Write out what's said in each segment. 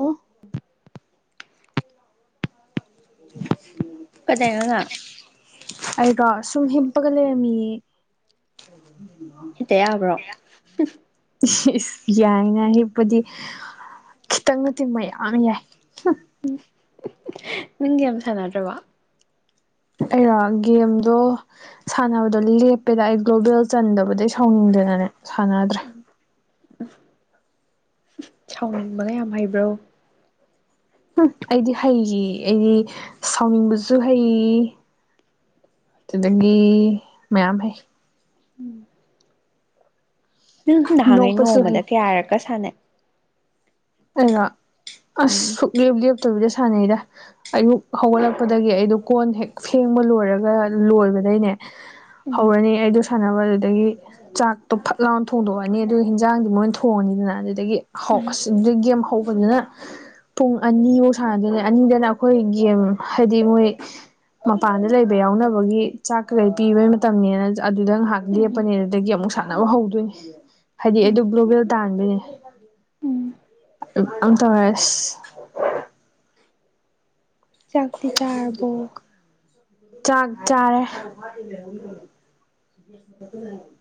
ꯑꯣ ꯀꯗꯩꯅꯣ ꯅꯪ ꯑꯩꯔꯣ ꯁꯨꯝ ꯍꯤꯞꯄꯒ ꯂꯩꯔꯝꯃꯤꯌꯦ [unintelligible] ꯍꯤꯞꯇ ꯌꯥꯕ꯭ꯔꯣ ꯏꯁ ꯌꯥꯏꯅ ꯍꯤꯞꯄꯗꯤ ꯈꯤꯇꯪ ꯅꯠꯇꯦ ꯃꯌꯥꯝ ꯌꯥꯏ ꯅꯪ ꯒꯦꯝ ꯁꯥꯟꯅꯗ꯭ꯔꯕꯣ ꯑꯩꯔꯣ ꯒꯦꯝꯗꯣ ꯁꯥꯟꯅꯕꯗꯣ ꯂꯦꯞꯄꯦꯗ ꯑꯩ ꯒ꯭ꯂꯣꯕꯦꯜ ꯆꯟꯗꯕꯗꯩ ꯁꯥꯎꯅꯤꯡꯗꯅꯅꯦ ꯁꯥꯟꯅꯗ꯭ꯔꯦ ꯁꯥꯎꯅꯤꯡꯕꯒ ꯌꯥꯝ ꯍꯩꯕ꯭ꯔꯣ ꯎꯝ ꯑꯩꯗꯤ ꯍꯩꯌꯦ ꯑꯩꯗꯤ ꯁꯥꯎꯅꯤꯡꯕꯁꯨ ꯍꯩ ꯑꯗꯨꯗꯒꯤ ꯃꯌꯥꯝ ꯍꯩ ꯅꯪ ꯅꯍꯉꯩ ꯅꯣꯛꯄꯁꯨ ꯅꯣꯡꯃꯗ ꯍꯩ ꯀꯌꯥꯔꯛꯀ ꯁꯥꯟꯅꯩ ꯑꯩꯔꯣ ꯑꯁ ꯎꯝ ꯁꯨꯛꯂꯦꯞ ꯂꯦꯞꯇꯕꯤꯗ ꯁꯥꯟꯅꯩꯗ ꯑꯌꯨꯛ ꯍꯧꯒꯠꯂꯛꯄꯗꯒꯤ ꯑꯩꯗꯣ ꯀꯣꯟ ꯍꯦꯛ ꯐꯦꯡꯕ ꯂꯣꯏꯔꯒ ꯂꯣꯏꯕꯗꯩꯅꯦ ꯎꯝ ꯍꯧꯔꯅꯤ ꯑꯩꯗꯨ ꯁꯥꯟꯅꯕ ꯑꯗꯨꯗꯒꯤ ꯆꯥꯛꯇꯣ ꯐꯠ ꯂꯥꯎꯅ ꯊꯣꯡꯗꯣꯛꯑꯅꯤ ꯑꯗꯨꯒ ꯍꯤꯟꯖꯥꯡꯗꯤ ꯃꯣꯏꯅ ꯊꯣꯡꯉꯅꯤꯅ ꯑꯗꯨꯗꯒꯤ ꯍꯧ ꯎꯝ ꯑꯁ ꯑꯗꯏ ꯒꯦꯝ ꯍꯧꯕꯗꯨꯅ ꯄꯨꯡ ꯑꯅꯤꯕꯧ ꯁꯥꯟꯅꯗꯣꯏꯅꯤ ꯑꯅꯤꯗꯅ ꯑꯩꯈꯣꯏ ꯒꯦꯝ ꯍꯥꯏꯗꯤ ꯃꯣꯏ ꯃꯄꯥꯟꯗ ꯂꯩꯕ ꯌꯥꯎꯅꯕꯒꯤ ꯆꯥꯛ ꯀꯩꯀꯩ ꯄꯤꯕꯩ ꯃꯇꯝꯅꯤꯅ ꯑꯗꯨꯗ ꯉꯥꯏꯍꯥꯛ ꯂꯦꯞ ꯎꯝ ꯄꯅꯦ ꯑꯗꯨꯗꯒꯤ ꯑꯃꯨꯛ ꯁꯥꯟꯅꯕ ꯍꯧꯗꯣꯏꯅꯦ ꯍꯥꯏꯗꯤ ꯎꯝ ꯑꯩꯗ ꯒ꯭ꯂꯣꯕꯦꯜ ꯇꯥꯟꯕꯗꯣꯏꯅꯦ ꯎꯝ ꯑꯇꯔꯁ ꯆꯥꯛꯇꯤ ꯆꯥꯔꯕꯣ ꯑ ꯆ ꯄꯨ ꯆꯥ ꯆꯥꯔꯦ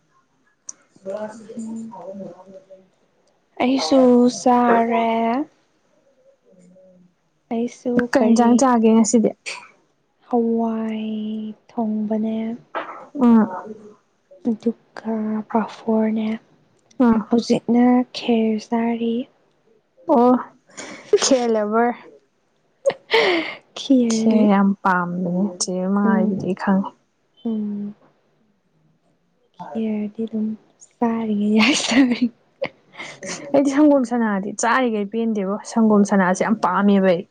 ꯁ ꯎꯝ ꯂꯩ ꯑꯩꯁꯨ ꯆꯥꯔꯦ ꯑꯩꯁꯨ ꯀꯩ ꯏꯟꯀꯡ ꯀꯔꯤ ꯆꯥꯒꯦ ꯉꯁꯤꯗꯤ ꯍꯋꯥꯏ ꯊꯣꯡꯕꯅꯦ ꯎꯝ ꯑꯗꯨꯒ ꯄꯥꯐꯣꯔꯅꯦ ꯑ ꯍꯧꯖꯤꯛꯅ ꯈꯦꯔ ꯆꯥꯔꯤ ꯑꯣ ꯈꯦꯌꯥꯔꯦꯕꯔ ꯊ ꯏꯦ ꯌꯥꯝ ꯄꯥꯝꯕꯅꯦ ꯆꯦ ꯎꯝ ꯃꯥꯏꯕꯗꯤ ꯈꯪꯉꯦ ꯎꯝ ꯈꯦꯔꯗꯤ ꯑꯗꯨ ꯁꯥꯔ ꯌꯦ ꯌꯥꯏ ꯁ ꯑꯩꯗꯤ ꯁꯪꯒꯣꯝ ꯁꯥꯅꯥꯗꯤ ꯆꯥꯔꯤꯈꯩ ꯄꯦꯟꯗꯦꯕꯣ ꯁꯪꯒꯣꯝ ꯁꯥꯅꯥꯁꯦ ꯌꯥꯝ ꯄꯥꯝꯃꯦꯕ ꯑꯩꯗꯤ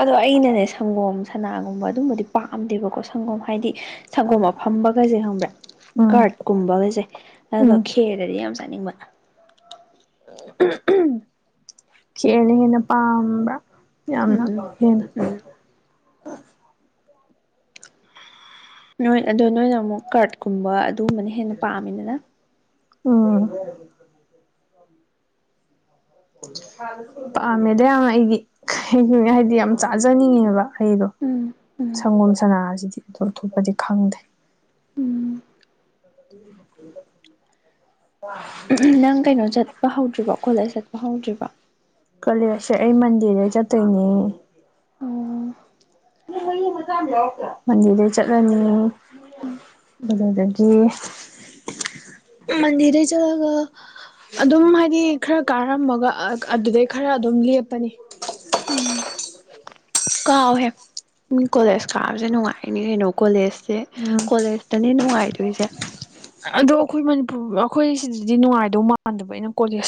ꯑꯗꯣ ꯑꯩꯅꯅꯦ ꯁꯪꯒꯣꯝ ꯁꯅꯥꯒꯨꯝꯕ ꯑꯗꯨꯝꯕꯗꯤ ꯄꯥꯝꯗꯦꯕꯀꯣ ꯁꯪꯒꯣꯝ ꯍꯥꯏꯗꯤ ꯁꯪꯒꯣꯝ ꯑꯃ ꯐꯝꯕꯒꯩꯁꯦ ꯈꯪꯕ꯭ꯔꯥ ꯎꯝ ꯀꯥꯔꯠꯀꯨꯝꯕꯈꯩꯁꯦ ꯑꯗꯨꯒ ꯎꯝ ꯈꯦꯔꯗꯗꯤ ꯌꯥꯝ ꯆꯥꯅꯤꯡꯕ ꯈꯦꯔꯅ ꯍꯦꯟꯅ ꯄꯥꯝꯕ꯭ꯔꯥ ꯌꯥꯝꯅ ꯎꯝ ꯍꯦꯟꯅ ꯎꯝ ꯅꯣꯏ ꯑꯗꯣ ꯅꯣꯏꯅ ꯑꯃꯨꯛ ꯀꯥꯔꯠꯀꯨꯝꯕ ꯑꯗꯨꯒꯨꯝꯕꯅ ꯍꯦꯟꯅ ꯄꯥꯝꯃꯤꯅꯅ ꯎꯝ ꯄꯥꯝꯃꯦꯗ ꯌꯥꯝ ꯑꯩꯗꯤ ꯍꯥꯏꯗꯤ ꯌꯥꯝ ꯆꯥꯖꯅꯤꯡꯉꯦꯕ ꯑꯩꯩꯗꯣ ꯎꯝ ꯎꯝ ꯁꯪꯒꯣꯝ ꯁꯅꯥꯁꯤꯗꯤ ꯑꯗꯨꯣ ꯊꯣꯛꯣꯞꯄꯗꯤ ꯈꯪꯗꯦ ꯎꯝ [inaudible] ꯅꯪ ꯀꯩꯅꯣ ꯆꯠꯄ ꯍꯧꯗ꯭ꯔꯤꯕꯣ ꯀꯣꯂꯦꯖ ꯆꯠꯄ ꯍꯧꯗ꯭ꯔꯤꯕꯣ ꯀꯂꯁ ꯑꯩ ꯃꯟꯗꯤꯔꯦ ꯆꯠꯇꯣꯏꯅꯦ ꯑꯣ ꯃꯟꯗꯤꯔ ꯆꯠꯂꯅꯤ ꯃꯖꯒꯤ ꯃꯗꯤꯔ ꯆꯂꯒ ꯑꯗꯨꯝ ꯍꯥꯏꯗꯤ ꯈꯔ ꯀꯥꯔꯝꯃꯒ ꯑꯗꯨꯗꯩ ꯈꯔ ꯑꯗꯨꯝ ꯂꯦꯞꯄꯅꯤ ꯎꯝ ꯀꯥꯎꯍꯦ ꯀꯣꯂꯦꯖ ꯀꯥꯕꯁꯦ ꯅꯨꯡꯉꯥꯏꯅꯤ ꯀꯩꯅꯣ ꯀꯣꯂꯦꯖꯁꯦ ꯎꯝ ꯀꯣꯂꯦꯖ ꯈꯇꯅꯦ ꯅꯨꯡꯉꯥꯏꯗꯣꯏꯁꯦ ꯑꯗꯣ ꯑꯩꯈꯣꯏ ꯃꯅꯤꯄꯨꯔ ꯑꯩꯈꯣꯏ ꯁꯤꯗꯗꯤ ꯅꯨꯡꯉꯥꯏꯗꯧ ꯃꯥꯟꯗꯕ ꯑꯩꯅ ꯀꯣꯂꯦꯖ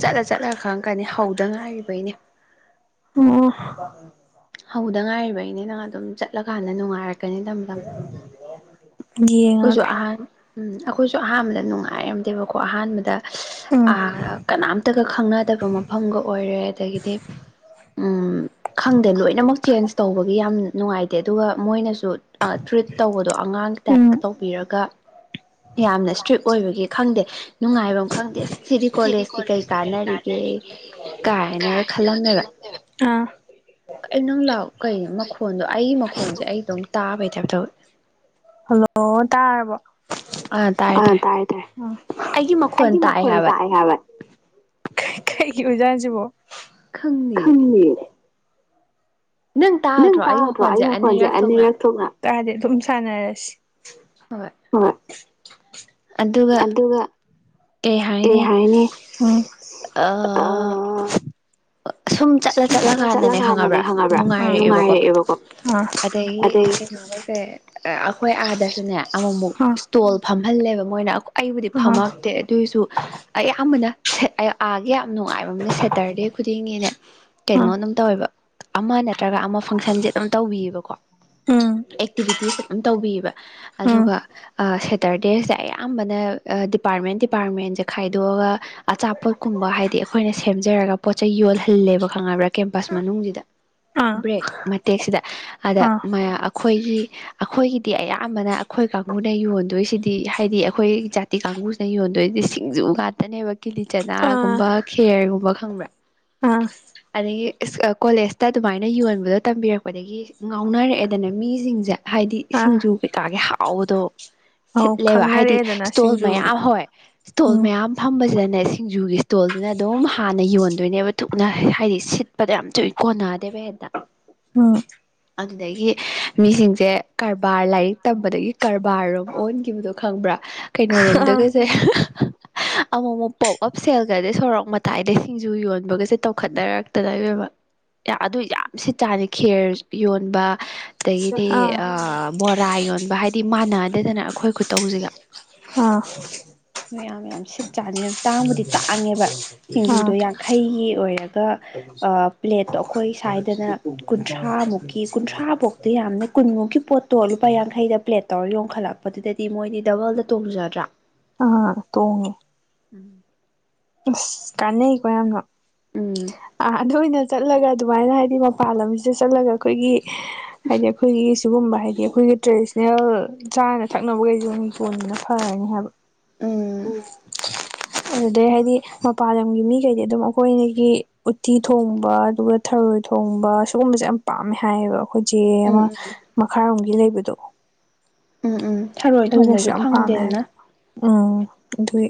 ꯆꯠꯂ ꯆꯠꯂ ꯈꯪꯛꯀꯅꯤ ꯍꯧꯗ ꯉꯥꯏꯔꯤꯕꯩꯅꯦ ꯑꯣꯝ ꯍꯧꯗ ꯉꯥꯏꯔꯤꯕꯩꯅꯦ ꯅꯪ ꯑꯗꯨꯝ ꯆꯠꯂꯀꯥꯟꯗ ꯅꯨꯡꯉꯥꯏꯔꯛꯀꯅꯤ ꯇꯝꯗꯝ ꯑꯩꯈꯣꯏꯁꯨ ꯌꯦꯡꯉꯒꯦ ꯑꯍꯥꯟ ꯎꯝ ꯑꯩꯈꯣꯏꯁꯨ ꯑꯍꯥꯟꯕꯗ ꯅꯨꯡꯉꯥꯏꯔꯝꯗꯦꯕꯀꯣ ꯑꯍꯥꯟꯕꯗ ꯎꯝ ꯀꯅꯥꯝꯇꯒ ꯈꯪꯅꯗꯕ ꯃꯐꯝꯒ ꯑꯣꯏꯔꯦ ꯑꯗꯒꯤꯗꯤ ꯎꯝ ꯈꯪꯗꯦ ꯂꯣꯏꯅꯃꯛ ꯆꯦꯟꯁ ꯇꯧꯕꯒꯤ ꯌꯥꯝ ꯅꯨꯡꯉꯥꯏꯇꯦ ꯠꯇꯦ ꯑꯗꯨꯒ ꯃꯣꯏꯅꯁꯨ ꯇ꯭ꯔꯤꯠ ꯇꯧꯕꯗꯣ ꯑꯉꯥꯡ ꯇꯥꯏꯞꯇ ꯎꯝ ꯇꯧꯕꯤꯔꯒ ꯌꯥꯝꯅ ꯏꯁꯇ꯭ꯔꯤꯛ ꯑꯣꯏꯕꯒꯤ ꯈꯪꯗꯦ ꯅꯨꯡꯉꯥꯏꯕ ꯈꯪꯗꯦ ꯑꯁ ꯁꯤꯗꯤ ꯀꯣꯂꯦꯖꯀꯤ ꯀꯩ ꯀꯥꯟꯅꯔꯤꯒꯦ ꯀꯥꯏꯅꯒ ꯈꯜꯂꯝꯃꯦꯕ ꯑꯥ ꯑꯩ ꯅꯪ ꯂꯥꯛꯑꯣ ꯀꯩꯅꯣ ꯃꯈꯣꯟꯗꯣ ꯑꯩꯒꯤ ꯃꯈꯣꯟꯁꯦ ꯑꯩꯗꯣ ꯑꯃꯛ ꯇꯥꯕꯩꯇꯕ ꯍꯜꯂꯣ ꯇꯥꯔꯕꯣ ꯇꯥꯔꯦ ꯑꯥ ꯇꯥꯔꯦ ꯇꯥꯏꯌꯦ ꯇꯥꯏꯌꯦ ꯑꯩꯒꯤ ꯃꯈꯣꯟ ꯇꯥꯛꯑꯦ ꯍꯥꯏꯕ ꯀꯩꯒꯤ ꯑꯣꯏꯖꯠꯅꯣ ꯁꯤꯕꯣ ꯈꯪꯉꯦ ꯅꯪ ꯇꯥꯗ꯭ꯔꯣ ꯑꯩ ꯃꯈꯣꯟꯁꯦ ꯑꯅꯤꯔꯛ ꯊꯣꯛꯅ ꯇꯗꯦ ꯑꯗꯨꯝ ꯁꯥꯟꯅꯔꯁꯤ ꯍꯣꯏ ꯍꯣꯏ ꯑꯗꯨꯒ ꯀꯩ ꯍꯥꯏꯅꯤ ꯑꯥ ꯁꯨꯝ ꯆꯠꯂ ꯆꯠꯂ ꯀꯥꯟꯗꯅꯦ ꯈꯪꯉꯕ꯭ꯔꯥ ꯅꯨꯡꯉꯥꯏꯔꯛꯑꯦꯕꯀꯣ ꯑꯗꯒꯤ ꯑꯗꯩ ꯂꯦ ꯑꯩꯈꯣꯏ ꯑꯥꯗꯁꯨꯅꯦ ꯑꯃꯨꯛꯃꯨꯛ ꯑꯥ ꯏꯁꯇꯣꯜ ꯐꯝꯍꯜꯂꯦꯕ ꯃꯣꯏꯅ ꯑꯩꯕꯨꯗꯤ ꯑꯥ ꯐꯝꯃꯛꯇꯦ ꯑꯗꯨꯑꯣꯏꯁꯨ ꯑꯌꯥꯝꯕꯅ ꯑꯥꯒꯤ ꯌꯥꯝ ꯅꯨꯡꯉꯥꯏꯕ ꯑꯃꯅꯦ ꯁꯦꯇꯔꯗꯦ ꯈꯨꯗꯤꯡꯒꯤꯅꯦ ꯀꯩꯅꯣ ꯑꯥ ꯑꯗꯨꯝ ꯇꯧꯋꯦꯕ ꯑꯃ ꯅꯠꯇ꯭ꯔꯒ ꯑꯃ ꯐꯪꯁꯟꯁꯦ ꯑꯗꯨꯝ ꯇꯧꯕꯤꯌꯦꯕꯀꯣ ꯎꯝ ꯑꯦꯛꯇꯤꯚꯤꯇꯤꯁ ꯑꯗꯨꯝ ꯇꯧꯕꯤꯌꯦꯕ ꯎꯝ ꯑꯗꯨꯒ ꯁꯦꯇꯔꯗꯦꯁꯦ ꯑꯌꯥꯝꯕꯅ ꯗꯤꯄꯥꯔꯠꯃꯦꯟ ꯗꯤꯄꯥꯔꯠꯃꯦꯟꯁꯦ ꯈꯥꯏꯗꯣꯛꯑꯒ ꯑꯆꯥꯄꯣꯠꯀꯨꯝꯕ ꯍꯥꯏꯗꯤ ꯑꯩꯈꯣꯏꯅ ꯁꯦꯝꯖꯔꯒ ꯄꯣꯠ ꯆꯩꯩ ꯌꯣꯜꯍꯜꯂꯦꯕ ꯈꯪꯉꯕ꯭ꯔꯥ ꯀꯦꯝꯄꯁ ꯃꯅꯨꯡꯁꯤꯗ ꯑꯥ ꯕ꯭ꯔꯦꯛ ꯃꯇꯦꯛꯁꯤꯗ ꯑꯗ ꯑꯥ ꯑꯩꯈꯣꯏꯒꯤ ꯑꯩꯈꯣꯏꯒꯤꯗꯤ ꯑꯌꯥꯝꯕꯅ ꯑꯩꯈꯣꯏ ꯀꯥꯡꯕꯨꯅ ꯌꯣꯟꯗꯣꯏꯁꯤꯗꯤ ꯍꯥꯏꯗꯤ ꯑꯩꯈꯣꯏ ꯖꯥꯠ ꯗꯤ ꯀꯥꯡꯕꯨꯁꯤꯅ ꯌꯣꯟꯗꯣꯏꯗꯤ ꯁꯤꯡꯖꯨ ꯉꯥꯛꯇꯅꯦꯕ ꯀꯤꯂꯤ ꯑꯥ ꯆꯅꯥꯒꯨꯝꯕ ꯈꯦꯔꯒꯨꯝꯕ ꯈꯪꯕ꯭ꯔꯥ ꯑꯥ ꯑꯗꯒꯤ ꯀꯣꯂꯦꯖꯇ ꯑꯗꯨꯃꯥꯏꯅ ꯌꯣꯟꯕꯗꯣ ꯇꯝꯕꯤꯔꯛꯄꯗꯒꯤ ꯉꯥꯎꯅꯔꯛꯑꯦꯗꯅ ꯃꯤꯁꯤꯡꯁꯦ ꯍꯥꯏꯗꯤ ꯑꯥ ꯏꯁꯤꯡꯖꯨ ꯀꯩꯀꯥꯒꯤ ꯍꯥꯎꯕꯗꯣ ꯑꯧ ꯁꯤꯠꯂꯦꯕ ꯍꯥꯏꯗꯤ ꯈꯪꯅꯔꯛꯑꯦꯗꯅ ꯏꯁꯇꯣꯜ ꯁꯤꯡꯖꯨꯒꯤ ꯃꯌꯥꯝ ꯍ ꯏꯁꯇꯣꯜ ꯎꯝ ꯃꯌꯥꯝ ꯐꯝꯕꯁꯤꯗꯅꯦ ꯁꯤꯡꯖꯨꯒꯤ ꯏꯁ꯭ꯇꯣꯜꯁꯤꯅ ꯑꯗꯨꯝ ꯍꯥꯟꯅ ꯌꯣꯟꯕ ꯑꯗꯨꯏꯗꯨꯅ ꯊꯨꯅ ꯍꯥꯏꯗꯤ ꯁꯤꯠꯄꯗ ꯌꯥꯝ ꯇꯨꯏꯅ ꯀꯣꯟꯅꯗꯦꯕ ꯍꯦꯛꯇ ꯑꯨꯝ ꯑꯗꯨꯗꯒꯤ ꯃꯤꯁꯤꯡꯁꯦ ꯀꯔꯕꯥꯔ ꯂꯥꯏꯔꯤꯛ ꯇꯝꯕꯗꯒꯤ ꯀꯔꯕꯥꯔꯔꯣꯝ ꯑꯣꯟꯈꯤꯕꯗꯣ ꯈꯪꯕ꯭ꯔꯥ ꯀꯩꯅꯣ ꯑꯥ ꯔꯣꯝꯗꯒꯁꯦ ꯑꯃꯨꯛ ꯑꯃꯨꯛ ꯄꯣꯞ ꯑꯞ ꯁꯦꯜꯒꯗꯤ ꯁꯣꯔꯣꯛ ꯃꯇꯥꯏꯗꯁꯤꯡ ꯁꯤꯡꯖꯨ ꯌꯣꯟꯕꯒꯁꯦ ꯇꯧꯈꯠꯅꯔꯛꯇꯅ ꯑꯗꯨ ꯌꯥꯝ ꯁꯤꯠꯖꯠꯅꯤ ꯈꯦꯔ ꯌꯣꯟꯕ ꯑꯗꯒꯤꯗꯤ ꯑꯥ ꯕꯣꯔꯥ ꯌꯣꯟꯕ ꯍꯥꯏꯗꯤ ꯃꯥꯟꯅꯗꯦꯗꯅ ꯑꯩꯈꯣꯏ ꯈꯨꯠꯇꯧꯁꯤꯒ ꯑꯥ ꯃꯌꯥꯝ ꯃꯌꯥꯝ ꯌꯥꯝ ꯁꯤꯠ ꯆꯥꯅꯤ ꯇꯥꯡꯕꯨꯗꯤ ꯇꯥꯡꯉꯦꯕ ꯑꯥ ꯁꯤꯡꯖꯨꯗꯣ ꯌꯥꯝ ꯍꯩꯒꯤ ꯑꯣꯏꯔꯒ ꯄ꯭ꯂꯦꯠꯇꯣ ꯑꯩꯈꯣꯏ ꯁꯥꯏꯗꯅ ꯀꯨꯟꯊ꯭ꯔꯥꯃꯨꯛꯀꯤ ꯀꯨꯟꯊ꯭ꯔꯥꯐꯧꯗꯤ ꯌꯥꯝꯅ ꯀꯨꯟꯃꯨꯛꯀꯤ ꯄꯣꯠꯇꯣ ꯂꯨꯄꯥ ꯌꯥꯡꯈꯩꯗ ꯄ꯭ꯂꯦꯠ ꯇꯧꯔ ꯌꯣꯟꯈꯠꯂꯛꯄꯗꯨꯗꯗꯤ ꯃꯣꯏꯗꯤ ꯗꯕꯜꯗ ꯇꯣꯡꯖꯗ꯭ꯔꯥ ꯑꯥ ꯇꯣꯡꯉꯦ ꯎꯝ [unintelligible] ꯀꯥꯟꯅꯩꯒꯣ ꯌꯥꯝꯅ ꯎꯝ ꯑ ꯑꯗꯨ ꯑꯣꯏꯅ ꯆꯠꯂꯒ ꯑꯗꯨꯃꯥꯏꯅ ꯍꯥꯏꯗꯤ ꯃꯄꯥꯟ ꯂꯝꯁꯤꯗ ꯆꯠꯂꯒ ꯑꯩꯈꯣꯏꯒꯤ ꯍꯥꯏꯗꯤ ꯑꯩꯈꯣꯏꯒꯤ ꯁꯤꯒꯨꯝꯕ ꯍꯥꯏꯗꯤ ꯑꯩꯈꯣꯏꯒꯤ ꯇ꯭ꯔꯦꯗꯤꯁꯅꯦꯜ ꯆꯥꯅ ꯊꯛꯅꯕꯈꯩꯁꯤ ꯌꯣꯟꯕꯅ ꯐꯔꯅꯤ ꯍꯥꯏꯕ ꯎꯝ ꯑꯗꯨꯗꯩ ꯍꯥꯏꯗꯤ ꯃꯄꯥꯟꯂꯝꯒꯤ ꯃꯤꯈꯩꯗꯤ ꯑꯗꯨꯝ ꯑꯩꯈꯣꯏꯒꯤ ꯎꯠꯇꯤ ꯊꯣꯡꯕ ꯑꯗꯨꯒ ꯊꯔꯣꯏ ꯊꯣꯡꯕ ꯁꯤꯒꯨꯝꯕꯁꯦ ꯌꯥꯝ ꯄꯥꯝꯃꯦ ꯍꯥꯏꯌꯦꯕ ꯑꯩꯈꯣꯏ ꯆꯦ ꯑꯃ ꯎꯝ ꯃꯈꯥꯔꯣꯝꯒꯤ ꯂꯩꯕꯗꯣ ꯎꯝ ꯎꯝ ꯊꯔꯣꯏ ꯊꯣꯡꯕꯁꯨ ꯑꯗꯨꯅꯁꯨ ꯌꯥꯝ ꯄꯥꯝꯃꯦ ꯐꯪꯗꯦꯗꯅ ꯍꯥꯏꯕ ꯎꯝ ꯑꯗꯨꯏ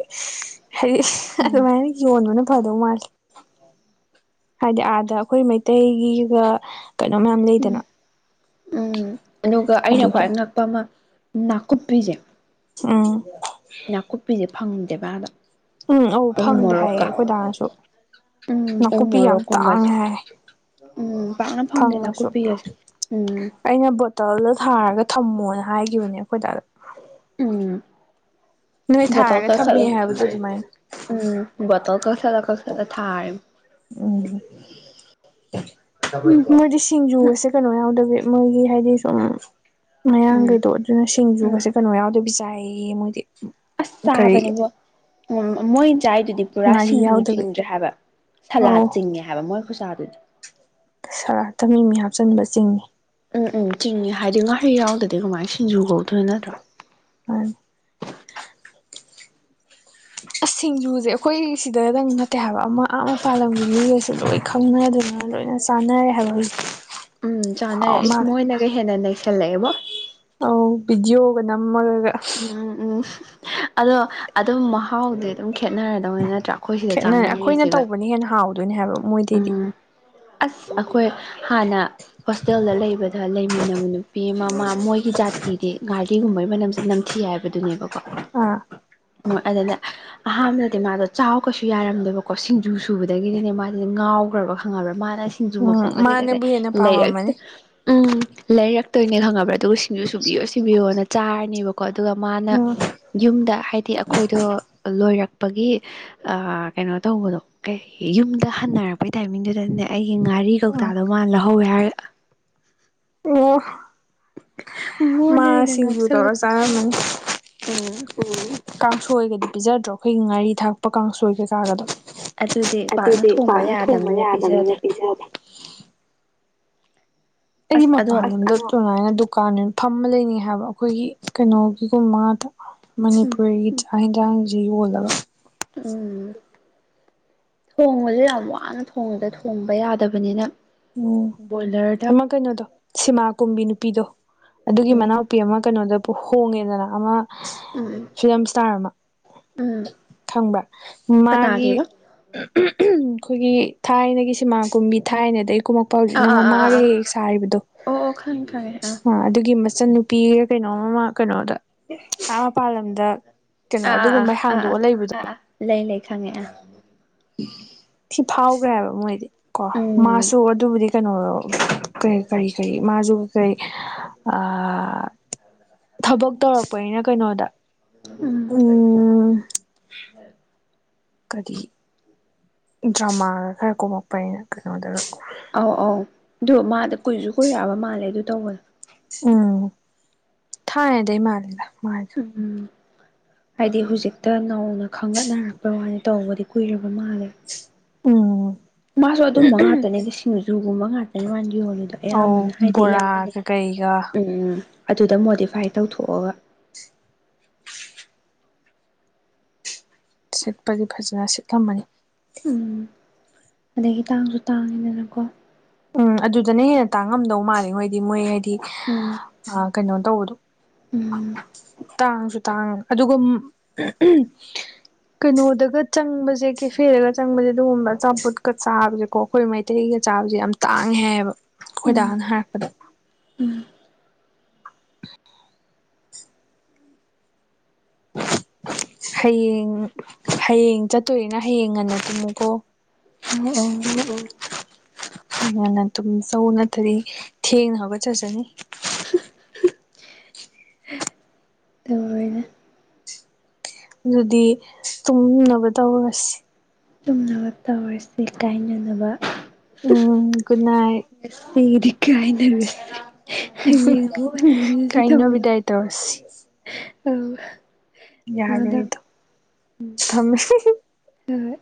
ꯍꯥꯏꯗꯤ ꯑꯗꯨꯃꯥꯏꯅ ꯌꯣꯡꯕꯅ ꯐꯗꯧ ꯃꯥꯜꯂꯦ ꯍꯥꯏꯗꯤ ꯑꯥꯗ ꯑꯩꯈꯣꯏ ꯃꯩꯇꯩꯒꯤꯒ ꯀꯩꯅꯣ ꯃꯌꯥꯝ ꯎꯝ ꯂꯩꯗꯅ ꯎꯝ ꯑꯗꯨꯒ ꯑꯩꯅ ꯑꯗꯨꯗꯣ ꯈ꯭ꯋꯥꯏ ꯉꯛꯄ ꯑꯃ ꯅꯥꯀꯨꯞꯄꯤꯁꯦ ꯎꯝ ꯅꯥꯀꯨꯞꯄꯤꯁꯦ ꯐꯪꯗꯦꯕ ꯑꯗꯥ ꯎꯝ ꯑꯧ ꯐꯪꯗꯦ ꯍꯥꯏꯌꯦ ꯑꯩꯈꯣꯏꯗꯥꯅꯁꯨ ꯎꯝ ꯎ ꯅꯀꯨꯞꯄꯤ ꯌꯥꯝ ꯃꯣꯔꯣꯛꯀꯨꯝꯕꯁꯦ ꯇꯥꯡꯉ ꯍꯥꯏ ꯎꯝ ꯄꯥꯛꯅ ꯐꯪꯗꯦ ꯐꯪꯉꯁꯨ ꯅꯥꯀꯨꯞꯄꯤ ꯀꯁꯦ ꯎꯝ ꯑꯩꯅ ꯕꯣꯇꯜꯗ ꯊꯥꯔꯒ ꯊꯝꯃꯣꯅ ꯍꯥꯏꯈꯤꯕꯅꯦ ꯑꯩꯈꯣꯏ ꯗꯥꯗ ꯎꯝ ꯅꯣꯏ ꯊꯥꯔꯒ ꯕꯣꯇꯜꯗ ꯊꯝꯃꯦ ꯍꯥꯏꯕꯗꯣ ꯑꯗꯨꯃꯥꯏꯅ [unintelligible] ꯎꯝ ꯕꯣꯇꯜꯗ ꯆꯠꯂꯛꯠꯂ ꯊꯥꯔꯔꯤ [inaudible] ꯎꯝ ꯎꯝ ꯃꯣꯏꯗꯤ ꯁꯤꯡꯖꯨꯒꯁꯦ ꯀꯩꯅꯣ ꯌꯥꯎꯗꯕꯤ ꯃꯣꯏꯒꯤ ꯍꯥꯏꯗꯤ ꯁꯨꯝ ꯎꯝ ꯃꯌꯥꯡꯒꯩꯗꯣ ꯑꯗꯨꯅ ꯎꯝ ꯁꯤꯡꯖꯨꯒꯁꯦ ꯀꯩꯅꯣ ꯌꯥꯎꯗꯕꯤ ꯆꯥꯏꯌꯦ ꯃꯣꯏꯗꯤ ꯆꯥꯕꯅꯦ ꯀꯔꯤ ꯃꯣꯏ ꯎꯝ ꯃꯣꯢ ꯆꯥꯏꯗꯨꯗꯤ ꯄꯨꯔꯥ ꯉꯥꯔꯤ ꯁꯤꯡꯖꯨ ꯌꯥꯎꯗꯕꯤ ꯆꯤꯡꯗ꯭ꯔꯦ ꯍꯥꯏꯕ ꯁꯂꯥꯠ ꯑꯧ ꯆꯤꯡꯉꯦ ꯍꯥꯏꯕ ꯃꯣꯏ ꯈꯨꯆꯥꯗꯨꯗꯤ ꯁꯂꯥꯠꯇ ꯃꯤ ꯃꯤ ꯍꯥꯞꯆꯤꯟꯕ ꯆꯤꯡꯉꯦ ꯎꯝ ꯎꯝ ꯆꯤꯡꯉꯤ ꯍꯥꯏꯗꯤ ꯉꯥꯔꯤ ꯌꯥꯎꯗꯗꯤ ꯀꯃꯥꯏꯅ ꯁꯤꯡꯖꯨ ꯀꯧꯗꯣꯏ ꯅꯠꯇ꯭ꯔꯥ [unintelligible] ꯑꯁ ꯁꯤꯡꯖꯨꯁꯦ ꯑꯩꯈꯣꯏ ꯁꯤꯗꯗꯪ ꯅꯠꯇꯦ ꯍꯥꯏꯕ ꯑꯃ ꯑꯥ ꯃꯄꯥꯂꯝꯒꯤ ꯃꯤꯒꯩꯁꯨ ꯂꯣꯏꯅ ꯈꯪꯅꯗꯨꯅ ꯂꯣꯏꯅ ꯆꯥꯟꯅꯔꯦ ꯍꯥꯏꯕ ꯍꯧꯖꯤꯛꯇꯤ ꯎꯝ ꯆꯥꯅꯔꯦ ꯏꯁ ꯃꯣꯏꯅꯒ ꯍꯦꯟꯅ ꯅꯩꯁꯜꯂꯛꯑꯦꯕꯣ ꯑꯧ ꯚꯤꯗꯤꯑꯣꯒ ꯅꯝꯃꯒꯒ ꯎꯝ ꯎꯝ ꯎꯝ ꯑꯗꯣ ꯑꯗꯨꯝ ꯃꯍꯥꯎꯗꯤ ꯑꯗꯨꯝ ꯈꯦꯠꯅꯔꯗꯧꯅꯤ ꯅꯠꯇ꯭ꯔꯥ ꯑꯩꯈꯣꯏ ꯁꯤꯗ ꯈꯦꯠꯅꯔꯦ ꯑꯩꯈꯣꯏꯅ ꯆꯥꯟꯅꯔꯤꯁꯤꯒ ꯇꯧꯕꯅ ꯍꯦꯟꯅ ꯍꯥꯎꯗꯣꯏꯅꯦ ꯍꯥꯏꯕ ꯃꯣꯏꯗꯩꯗꯤ ꯎꯝ ꯑꯁ ꯑꯩꯈꯣꯏ ꯍꯥꯟꯅ ꯍꯣꯁꯇꯦꯜꯗ ꯂꯩꯕꯗ ꯂꯩꯃꯤꯟꯅꯕ ꯅꯨꯄꯤ ꯑꯃ ꯃꯥ ꯃꯣꯏꯒꯤ ꯖꯥꯇꯤꯗꯤ ꯉ ꯔꯤ ꯒꯨꯝꯕꯩ ꯃꯅꯝꯁꯦ ꯅꯝꯊꯤ ꯍꯥꯏꯕꯗꯨꯅꯦꯕꯀꯣ ꯑꯥ ꯑꯣ ꯑꯗꯨꯗ ꯑꯍꯥꯟꯕꯗꯗꯤ ꯃꯥꯗꯣ ꯆꯥꯎ ꯀꯩꯁꯨ ꯌꯥꯔꯝꯗꯦꯕꯀꯣ ꯁꯤꯡꯖꯨ ꯁꯨꯕꯗꯒꯤꯗꯤꯅꯦ ꯃꯥ ꯉꯥꯎꯈ꯭ꯔꯕ ꯈꯪꯉꯕ꯭ꯔꯥ ꯃꯥꯅ ꯁꯤꯡꯖꯨ ꯃꯄꯣꯠ ꯎꯝ ꯒꯁꯦ‌ ꯀꯩ ꯀꯩ ꯃꯥꯅꯕꯨ ꯍꯦꯟꯅ ꯄꯥꯝꯃꯝꯃꯅꯤ ꯂꯩꯔꯛꯇ ꯎꯝ ꯂꯩꯔꯛꯇꯣꯏꯅꯦ ꯈꯪꯉꯕ꯭ꯔꯥ ꯑꯗꯨꯒ ꯁꯤꯡꯖꯨ ꯁꯨꯕꯤꯌꯣ ꯁꯨꯕꯤꯌꯣ ꯅꯅꯦ ꯆꯥꯔꯅꯦꯕꯀꯣ ꯑꯗꯨꯒ ꯃꯥꯅ ꯎꯝ ꯌꯨꯝꯗ ꯍꯥꯏꯗꯤ ꯑꯩꯈꯣꯏꯗꯣ ꯂꯣꯏꯔꯛꯄꯒꯤ ꯑꯥ ꯀꯩꯅꯣ ꯇꯧꯕꯗꯣ ꯀꯩ ꯌꯨꯝꯗ ꯍꯟꯅꯔꯛꯄꯩ ꯇꯥꯏꯃꯤꯡꯗꯨꯗꯅꯦ ꯑꯩꯒꯤ ꯉꯥꯔꯤ ꯎꯝ ꯀꯧꯇꯥꯗꯣ ꯃꯥꯅ ꯂꯧꯍꯧꯋꯦ ꯍꯥꯏꯔꯒ ꯑꯣ ꯃꯥ ꯃꯉꯣꯟꯗ ꯍꯦꯟꯅ ꯁꯤꯡꯖꯨ ꯇꯧꯔ ꯉꯥꯎꯁꯜꯂꯛꯄ ꯆꯥꯔꯝꯃꯅꯤ ꯎꯝ ꯎꯝ ꯀꯥꯡꯁꯣꯏꯒꯗꯤ ꯄꯤꯖꯗ꯭ꯔꯣ ꯑꯩꯈꯣꯏꯒꯤ ꯉꯥꯔꯤ ꯊꯥꯛꯄ ꯀꯥꯡꯁꯣꯏ ꯀꯩꯀꯥꯒꯗꯣ ꯄꯥꯛꯅ ꯑꯗꯨꯗꯤ ꯊꯣꯡꯕ ꯄꯥꯛꯅ ꯊꯣꯡꯕ ꯌꯥꯗꯕꯅꯤꯅ ꯌꯥꯗꯕꯅꯤꯅ ꯄꯤꯖꯗꯦ ꯄꯤꯖꯗꯦ ꯑꯩꯗꯤ ꯑꯁ ꯑꯗꯣ ꯃꯄꯥꯟ ꯂꯣꯝꯗ ꯑꯗꯨꯨꯃꯥꯏꯅ ꯗꯨꯀꯥꯟ ꯑꯣꯏꯅ ꯐꯝꯃ ꯂꯩꯅꯤꯡꯉꯦ ꯍꯥꯏꯕ ꯑꯩꯈꯣꯏꯒꯤ ꯀꯩꯅꯣꯒꯤꯒꯨꯝꯕ ꯉꯥꯛꯇ ꯎꯝ ꯃꯅꯤꯄꯨꯔꯒꯤ ꯆꯥꯛ ꯌꯦꯟꯁꯥꯡꯁꯤ ꯌꯣꯜꯂꯒ ꯎꯝ ꯊꯣꯡꯕꯁꯦ ꯌꯥꯝ ꯋꯥꯅ ꯊꯣꯡꯢꯗ ꯊꯣꯡꯕ ꯌꯥꯗꯕꯅꯤꯅ ꯎꯝ ꯕꯣꯏꯂꯔꯗ ꯑꯃ ꯀꯩꯅꯣꯗꯣ ꯁꯤꯃꯥ ꯀꯨꯝꯕꯤ ꯅꯨꯄꯤꯗꯣ ꯑꯗꯨꯒꯤ ꯎꯝ ꯃꯅꯥꯎꯄꯤ ꯑꯃ ꯀꯩꯅꯣꯗ ꯍꯣꯡꯉꯦꯗꯅ ꯑꯃ ꯎꯝ ꯐꯤꯂꯝ ꯏꯁꯇꯥꯔ ꯑꯃ ꯎꯝ ꯈꯪꯕ꯭ꯔꯥ ꯃꯥꯒꯤ ꯀꯅꯥꯒꯤꯕ ꯑꯩꯈꯣꯏꯒꯤ ꯊꯥꯏꯅꯒꯤ ꯁꯤꯃꯥ ꯀꯨꯝꯕꯤ ꯊꯥꯏꯅꯗꯤ ꯑꯥ ꯍꯧꯖꯤꯛꯅ ꯑꯥ ꯑꯥ ꯑꯥ ꯃꯃꯥꯒ ꯑꯥ ꯍꯦꯛ ꯍꯦꯛ ꯁꯥꯔꯤꯕꯗꯣ ꯑꯣ ꯑꯣ ꯈꯪꯉꯦ ꯈꯪꯉꯦ ꯑꯥ ꯑꯗꯨꯒꯤ ꯃꯆꯟꯅꯨ ꯄꯤꯌꯦ ꯀꯩꯅꯣ ꯑꯃ ꯀꯩꯅꯣꯗ ꯑꯥ ꯃꯄꯥꯥꯟ ꯂꯝꯗ ꯀꯩꯅꯣ ꯑꯥ ꯑꯥ ꯑꯗꯨꯒꯨꯝꯕꯩ ꯑꯥ ꯍꯥꯡꯗꯣꯛ ꯑꯥ ꯑꯥꯒ ꯂꯩꯕꯗꯣ ꯑꯥ ꯑꯥ ꯂꯩ ꯂꯩ ꯈꯪꯉꯦ ꯑꯥ ꯊꯤ ꯐꯥꯎꯈ꯭ꯔꯦꯕ ꯃꯣꯏꯗꯤ ꯀꯣ ꯎꯝ ꯃꯥꯁꯨ ꯑꯗꯨꯕꯨꯗꯤ ꯀꯩꯅꯣꯔꯣ ꯀꯔꯤ ꯀꯔꯤ ꯀꯔꯤ ꯃꯥꯁꯨ ꯀꯩ ꯑꯥ ꯊꯕꯛ ꯇꯧꯔꯛꯄꯅꯤꯅ ꯀꯩꯅꯣꯗ ꯎꯝ ꯀꯔꯤ ꯗ꯭ꯔꯃꯥꯒ ꯈꯔ ꯀꯨꯝꯃꯛꯄꯅꯤꯅ ꯀꯩꯅꯣꯗ ꯑꯧ ꯑꯧ ꯑꯗꯣ ꯃꯥꯗꯨ ꯀꯨꯏꯁꯨ ꯀꯨꯏꯔꯛꯑꯕ ꯃꯥꯜꯂꯦ ꯑꯗꯨ ꯇꯧꯕꯗꯣ ꯎꯝ ꯊꯥꯏꯅꯗꯩ ꯃꯥꯜꯂꯦꯗ ꯃꯥ ꯎꯝ ꯍꯥꯏꯗꯤ ꯍꯧꯖꯤꯛꯇ ꯅꯧꯅ ꯈꯪꯒꯠꯅꯔꯛꯄ ꯋꯥꯅꯤ ꯇꯧꯕꯗꯤ ꯀꯨꯏꯔꯕ ꯃꯥꯜꯂꯦ ꯎꯝ ꯃꯥꯁꯨ ꯑꯗꯨꯝꯕ ꯉꯥꯛꯇꯅꯤꯗ ꯁꯤꯡꯖꯨꯒꯨꯝꯕ ꯉꯥꯛꯇꯅꯦ ꯃꯥꯅ ꯌꯣꯜꯂꯤꯗꯣ ꯑꯧ ꯑꯌꯥꯝꯕꯅ ꯍꯥꯏꯗꯤ ꯌꯥꯝ ꯕꯣꯔꯥꯒ ꯀꯩꯒ ꯎꯝ ꯑꯗꯨꯗ ꯃꯣꯗꯤꯐꯥꯏ ꯇꯧꯊꯣꯛꯑꯒ ꯁꯤꯠꯄꯗꯤ ꯐꯖꯅ ꯁꯤꯠꯂꯝꯃꯅꯤ ꯎꯝ ꯑꯗꯩꯒꯤ ꯇꯥꯡꯁꯨ ꯇꯥꯡꯉꯤꯗꯅꯥꯀꯣ ꯎꯝ ꯑꯗꯨꯗꯅ ꯍꯦꯟꯅ ꯇꯥꯡꯉꯝꯗꯧ ꯃꯥꯜꯂꯤꯉꯣ ꯍꯥꯏꯗꯤ ꯃꯣꯏ ꯍꯥꯏꯗꯤ ꯎꯝ ꯑ ꯀꯩꯅꯣ ꯇꯧꯕꯗꯣ ꯎꯝ ꯇꯥꯡꯁꯨ ꯇꯥꯡꯏ ꯑꯗꯨꯒ ꯀꯩꯅꯣꯗꯒ ꯆꯪꯕꯁꯦ ꯀꯦꯐꯦꯗꯒ ꯆꯪꯕꯁꯦ ꯑꯗꯨꯒꯨꯝꯕ ꯑꯆꯥꯝꯄꯣꯠꯀ ꯆꯥꯕꯁꯦꯀꯣ ꯑꯩꯈꯣꯏ ꯃꯩꯇꯩꯒ ꯆꯥꯁꯦ ꯌꯥꯝ ꯇꯥꯡꯉꯦ ꯍꯥꯏꯌꯦꯕ ꯎꯝ ꯈꯣꯏꯗꯥꯅ ꯍꯥꯏꯔꯛꯄꯗ ꯎꯝ ꯍꯌꯦꯡ ꯍꯌꯦꯡ ꯆꯠꯇꯣꯔꯤꯅ ꯍꯌꯦꯡ ꯉꯟꯅ ꯇꯨꯝꯃꯨꯀꯣ ꯑꯧ ꯑꯧ ꯎꯝ ꯉꯟꯅ ꯇꯨꯝꯆꯧ ꯅꯠꯇꯗꯤ ꯊꯦꯡꯅ ꯍꯧꯒꯠꯆꯠꯖꯅꯤ ꯇꯧꯔꯦꯅꯦ ꯑꯗꯨꯗꯤ ꯇꯨꯝꯅꯕ ꯇꯧꯔꯁꯤ ꯩ ꯇꯧꯔꯁꯤ ꯀꯥꯏꯅꯅꯕ ꯎꯝ ꯒꯨꯗ ꯅꯥꯏꯠ ꯁꯤꯗꯤ ꯀꯍꯦꯟꯅ ꯂꯨꯁꯟꯂꯦ ꯌꯦꯉ ꯑꯃꯨꯛ ꯑꯣꯏꯔꯝꯗꯣꯏꯅꯤ ꯁꯤ ꯊꯕꯛꯇꯣ ꯀꯥꯏꯅꯕꯤꯗꯥꯏ ꯇꯧꯔꯁꯤ ꯑꯧ ꯅꯉꯣꯟꯗꯥ ꯌꯥꯔꯣꯏꯗꯣ ꯎꯝ ꯊꯝꯃꯦ ꯍꯣꯏ ꯍꯣꯏ